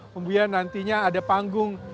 kemudian nantinya ada panggung